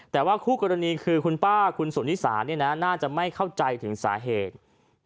แต่ว่าคู่กรณีคือคุณป้าคุณสุนิสาเนี่ยนะน่าจะไม่เข้าใจถึงสาเหตุ